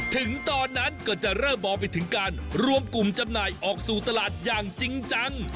ถึงตอนนั้นก็จะเริ่มมองไปถึงการรวมกลุ่มจำหน่ายออกสู่ตลาดอย่างจริงจัง